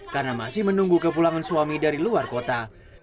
karena masih menunggu kepulangan suami dari luar kota